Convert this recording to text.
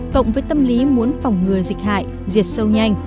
cộng với tâm lý muốn phòng ngừa dịch hại diệt sâu nhanh